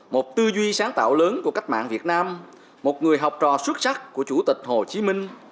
một tư duy sáng tạo lớn của cách mạng việt nam một người học trò xuất sắc của chủ tịch hồ chí minh